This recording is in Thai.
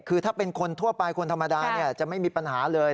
คือถ้าเป็นคนทั่วไปคนธรรมดาจะไม่มีปัญหาเลย